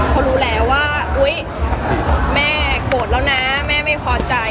เขารู้แล้วว่าอุ๊ยแม่โกรธแล้วนะแม่ไม่พอใจ